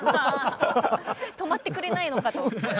ああ止まってくれないのかと。